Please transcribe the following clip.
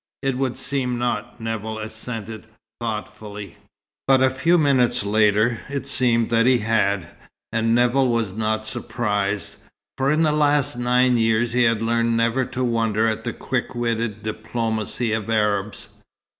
"It would seem not," Nevill assented, thoughtfully. But a few minutes later, it seemed that he had. And Nevill was not surprised, for in the last nine years he had learned never to wonder at the quick witted diplomacy of Arabs.